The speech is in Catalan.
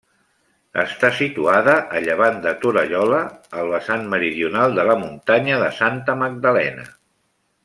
Està situada a llevant de Torallola, al vessant meridional de la Muntanya de Santa Magdalena.